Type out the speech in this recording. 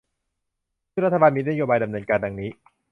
ซึ่งรัฐบาลมีนโยบายดำเนินการดังนี้